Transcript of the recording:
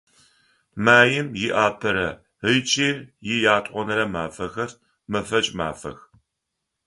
Маим иапэрэ ыкӏи иятӏонэрэ мафэхэр мэфэкӏ мафэх.